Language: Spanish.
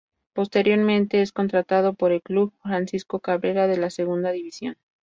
Posteriormente, es contratado por el Club Francisco Cabrera de la Segunda División.